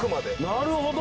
なるほど！